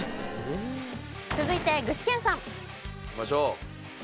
続いて具志堅さん。いきましょう。